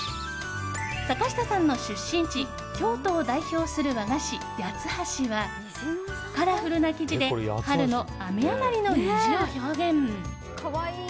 坂下さんの出身地京都を代表する和菓子・八ッ橋はカラフルな生地で春の雨上がりの虹を表現。